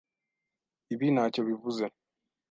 Ibi ntacyo bivuze.